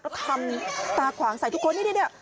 แล้วทำตาขวางใส่ทุกคน